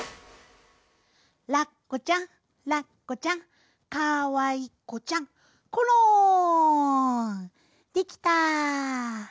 「ラッコちゃんラッコちゃんかわいこちゃんころん」できた。